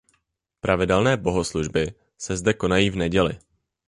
Pravidelné bohoslužby se zde konají v neděli.